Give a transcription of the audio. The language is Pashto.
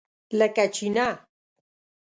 لکه چینۀ!